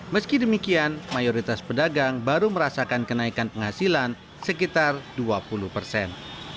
meski demikian mayoritas pedagang baru merasakan kenaikan penghasilan sekitar dua puluh persen